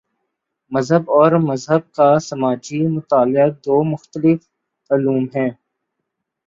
مذہب اور مذہب کا سماجی مطالعہ دو مختلف علوم ہیں۔